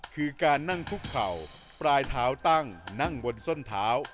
คือการนั่งคุกเข่าปลายเท้าตั้งนั่งบนส้นเท้า